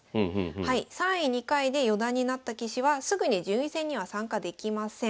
３位２回で四段になった棋士はすぐに順位戦には参加できません。